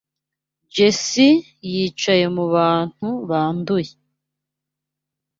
Jessie yicaye mubantu banduye.